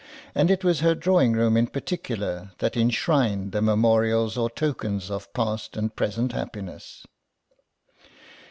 And it was her drawing room in particular that enshrined the memorials or tokens of past and present happiness.